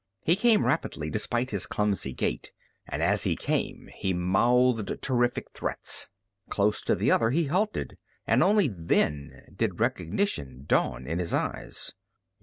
He came rapidly despite his clumsy gait, and as he came he mouthed terrific threats. Close to the other he halted and only then did recognition dawn in his eyes.